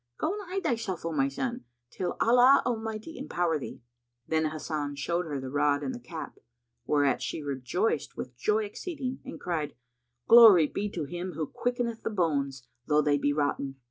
Go and hide thyself, O my son, till Allah Almighty empower thee." Then Hasan showed her the rod and the cap, whereat she rejoiced with joy exceeding and cried, "Glory be to Him who quickeneth the bones, though they be rotten!